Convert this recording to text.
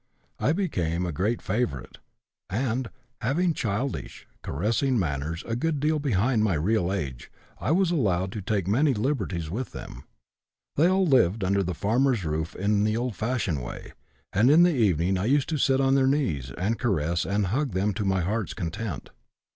I became a great favorite, and, having childish, caressing manners a good deal behind my real age, I was allowed to take many liberties with them. They all lived under the farmer's roof in the old fashioned way, and in the evening I used to sit on their knees and caress and hug them to my heart's content.